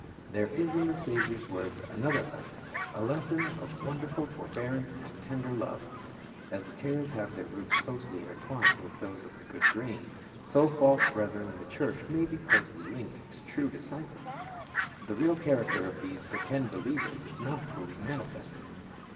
There is in the Saviour's words another lesson, a lesson of wonderful forbearance and tender love. As the tares have their roots closely intertwined with those of the good grain, so false brethren in the church may be closely linked with true disciples. The real character of these pretended believers is not fully manifested.